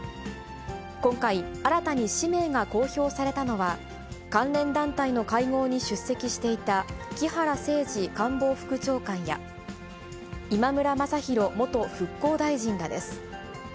今回、新たに氏名が公表されたのは、関連団体の会合に出席していた木原誠二官房副長官や、今村雅弘元復興大臣らです。